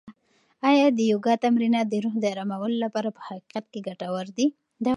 آیا د یوګا تمرینات د روح د ارامولو لپاره په حقیقت کې ګټور دي؟